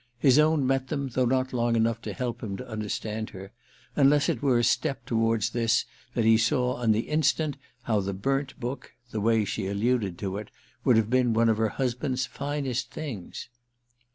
His own met them, though not long enough to help him to understand her; unless it were a step towards this that he saw on the instant how the burnt book—the way she alluded to it!—would have been one of her husband's finest things.